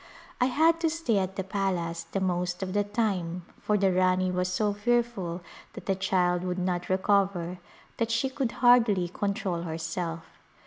I had to stay at the palace the most of the time for the Rani was so fearful that the child would not recover that she could hardly control herself.